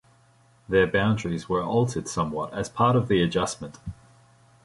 Their boundaries were altered somewhat as part of the adjustment.